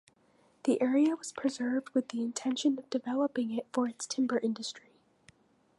The area was preserved with the intention of developing it for its timber industry.